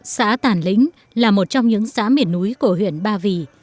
xã tản lính là một trong những xã miền núi của huyện ba vì